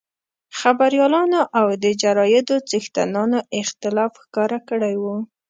خبریالانو او د جرایدو څښتنانو اختلاف ښکاره کړی وو.